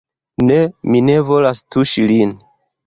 Ne, mi ne volas tuŝi lin!